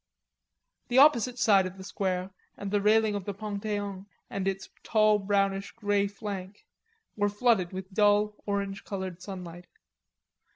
The opposite side of the square and the railing of the Pantheon and its tall brownish gray flank were flooded with dull orange colored sunlight.